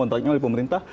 kontraknya oleh pemerintah